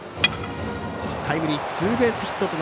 タイムリーツーベースヒットと